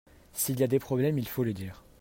S'il y a des problèmes il faut le dire.